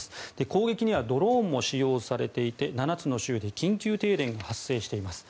攻撃にはドローンも使用されていて７つの州で緊急停電が発生しています。